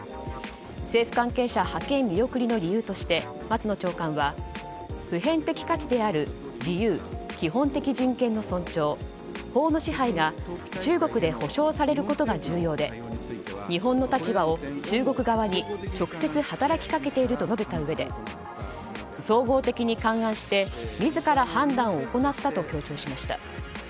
政府関係者派遣見送りの理由として松野長官は、普遍的である自由、基本的人権の尊重法の支配が中国で保障されることが重要で日本の立場を中国側に直接働きかけていると述べたうえで総合的に勘案して自ら判断を行ったと強調しました。